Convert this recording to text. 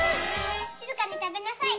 静かに食べなさい！